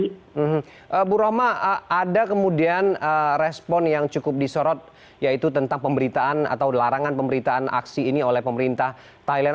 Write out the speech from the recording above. ibu roma ada kemudian respon yang cukup disorot yaitu tentang pemberitaan atau larangan pemberitaan aksi ini oleh pemerintah thailand